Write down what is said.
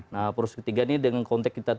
nah poros ketiga ini dengan konteks kita